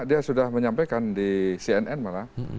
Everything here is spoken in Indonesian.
dia sudah menyampaikan di cnn malah